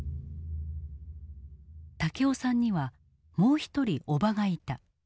武雄さんにはもう一人おばがいた。